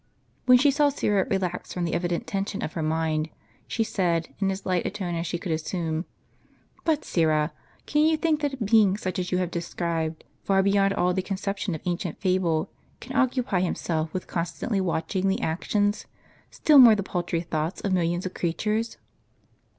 When she saw Syra relaxed from the evident tension of her mind, she said, in as light a tone as she could assume: "But, Syra, can you think that a Being such as you have described, far beyond all the conception of ancient fable, can occupy Himself with constantly watching the actions, still more the paltry thoughts, of millions of creatures?